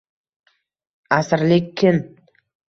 Asrlik kin